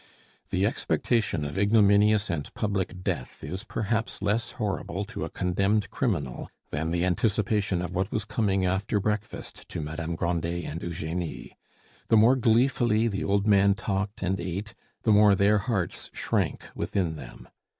The expectation of ignominious and public death is perhaps less horrible to a condemned criminal than the anticipation of what was coming after breakfast to Madame Grandet and Eugenie. The more gleefully the old man talked and ate, the more their hearts shrank within them.